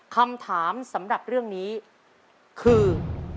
คำถามสำหรับเรื่องนี้คือ